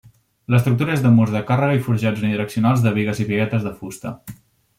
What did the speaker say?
L'estructura és de murs de càrrega i forjats unidireccionals de bigues i biguetes de fusta.